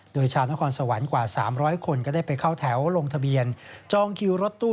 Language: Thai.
โดยชาวนครสวรรค์กว่า๓๐๐คนก็ได้ไปเข้าแถวลงทะเบียนจองคิวรถตู้